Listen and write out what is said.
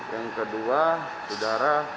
yang kedua sudara hrs